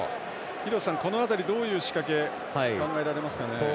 廣瀬さん、この辺りどういう仕掛け考えられますかね。